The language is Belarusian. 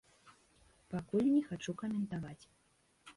Пакуль не хачу каментаваць.